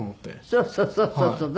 そうそうそうそうそう。